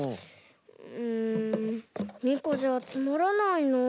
うん２こじゃつまらないなあ。